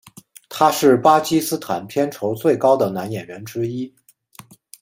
他是巴基斯坦片酬最高的男演员之一。